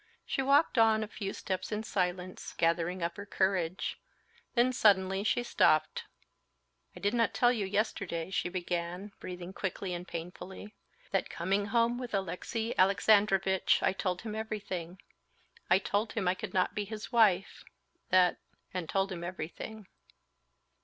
She walked on a few steps in silence, gathering up her courage; then suddenly she stopped. "I did not tell you yesterday," she began, breathing quickly and painfully, "that coming home with Alexey Alexandrovitch I told him everything ... told him I could not be his wife, that ... and told him everything."